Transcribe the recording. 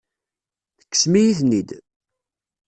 Tekksem-iyi-ten-id.